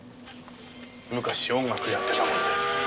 昔音楽やってたもんで。